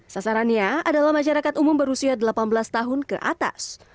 sasarannya adalah masyarakat umum berusia delapan belas tahun ke atas